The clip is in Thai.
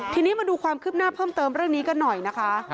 ทีนี้มาดูความคืบหน้าเพิ่มเติมเรื่องนี้กันหน่อยนะคะ